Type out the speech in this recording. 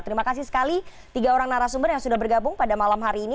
terima kasih sekali tiga orang narasumber yang sudah bergabung pada malam hari ini